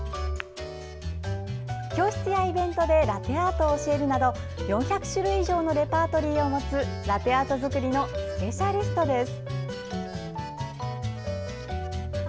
教室やイベントでラテアートを教えるなど４００種類以上のレパートリーを持つラテアート作りのスペシャリストです！